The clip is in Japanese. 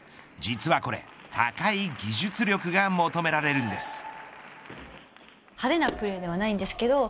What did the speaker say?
実はこれ、高い技術力が求められるんです。